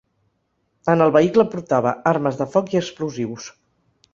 En el vehicle portava armes de foc i explosius.